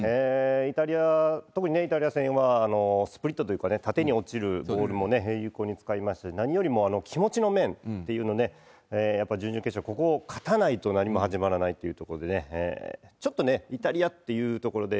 イタリア、特にイタリア戦、今、スプリットというか、縦に落ちるボールも有効に使いまして、何よりも気持ちの面っていうので、やっぱり準々決勝、ここを勝たないと何も始まらないというところでね、ちょっとね、イタリアっていうところで、